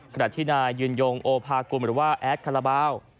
ขณะที่นายยืนยงโอภากุลหรือว่าแอดคาราบาล